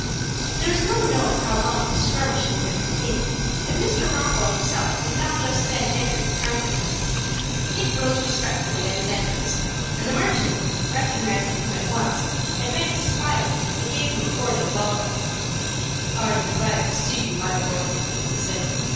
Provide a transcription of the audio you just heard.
There is no knowing how long this skirmishing would have continued, if Mr. Rockwell himself had not just then entered the counting room. Dick rose respectfully at his entrance, and the merchant, recognizing him at once, advanced smiling and gave him a cordial welcome. "I am glad to see you, my boy," he said.